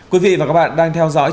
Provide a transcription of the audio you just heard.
quý vị và các bạn đang theo dõi